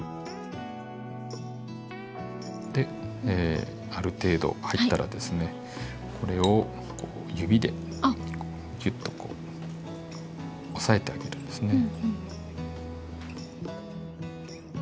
である程度入ったらですねこれを指でギュッとこう押さえてあげるんですね。